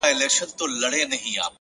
هوښیار انتخاب اوږدمهاله ګټه لري’